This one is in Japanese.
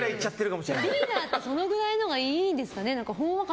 でもリーダーってそのぐらいのほうがいいんですか。